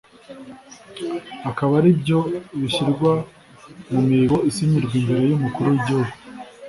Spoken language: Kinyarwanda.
akaba aribyo bishyirwa mu mihigo isinyirwa imbere y’umukuru w’igihugu”